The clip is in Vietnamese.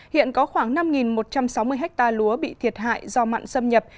hiện có khoảng năm một trăm sáu mươi ha lúa bị thiệt hại do mặn xâm nhập